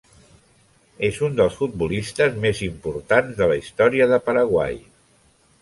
És un dels futbolistes més importants de la història de Paraguai.